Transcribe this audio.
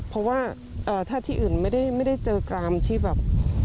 เพราะว่าถ้าที่อื่นไม่ได้เจอกรามที่แบบ